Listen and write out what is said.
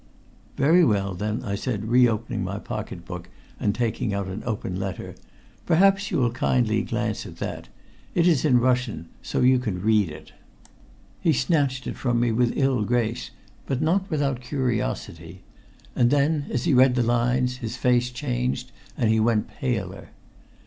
"Very well, then," I said, re opening my pocket book and taking out an open letter. "Perhaps you will kindly glance at that. It is in Russian, so you can read it." He snatched it from me with ill grace, but not without curiosity. And then, as he read the lines, his face changed and he went paler.